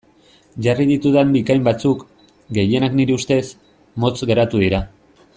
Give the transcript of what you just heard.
Jarri ditudan bikain batzuk, gehienak nire ustez, motz geratu dira.